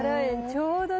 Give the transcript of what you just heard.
ちょうどね。